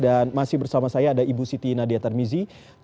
dan masih bersama saya ada ibu siti nadia tarmizi